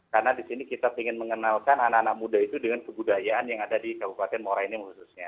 karena di sini kita ingin mengenalkan anak anak muda itu dengan kebudayaan yang ada di kabupaten morenim khususnya